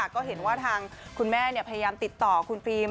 ก็เห็นว่าทางคุณแม่พยายามติดต่อคุณฟิล์ม